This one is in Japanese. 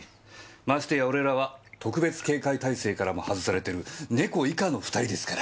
ましてや俺らは特別警戒体勢からも外されてる猫以下の２人ですから。